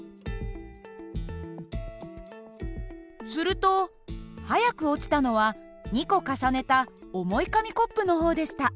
すると速く落ちたのは２個重ねた重い紙コップの方でした。